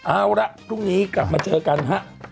เอาละพรุ่งนี้กลับมาเจอกันฮะ